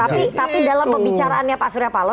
tapi dalam pembicaraannya pak surya paloh